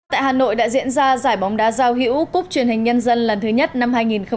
tại hà nội đã diễn ra giải bóng đá giao hữu cục truyền hình nhân dân lần thứ nhất năm hai nghìn một mươi chín